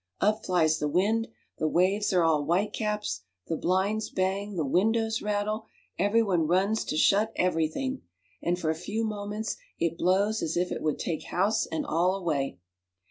Up flies the wind; the waves are all white caps; the blinds bang; the windows rattle; every one runs to shut every thing; and for a few moments it blows as if it would take house and all away.